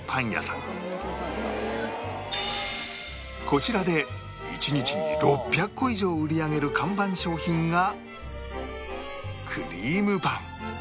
こちらで一日に６００個以上売り上げる看板商品が